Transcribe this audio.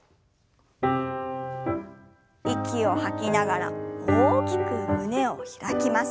息を吐きながら大きく胸を開きます。